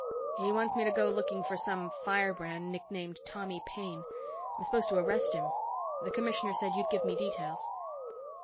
"He wants me to go looking for some firebrand nicknamed Tommy Paine. I'm supposed to arrest him. The commissioner said you'd give me details."